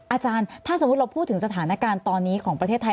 อาจารย์ถ้าสมมุติเราพูดถึงสถานการณ์ตอนนี้ของประเทศไทย